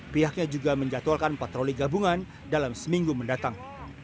pihaknya juga menjatuhkan patroli gabungan dalam seminggu mendatang